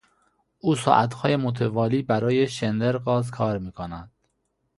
او ساعتهای متوالی برای شندرغاز کار میکند.